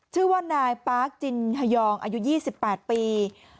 ชื่อว่านายปาร์คจินฮยองอายุ๒๘ปี